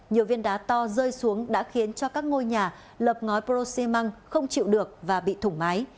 nhiều viên đá to rơi xuống đã khiến cho các ngôi nhà lập ngói porosimăng không chịu được và bị thủng máy